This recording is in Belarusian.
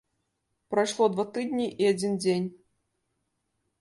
Прайшло два тыдні і адзін дзень.